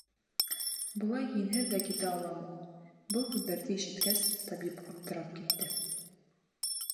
Былай һинһеҙ ҙә китә алам ул. Был һүҙҙәрҙе ишеткәс, табип аптырап китте.